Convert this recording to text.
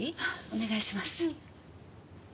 お願いします。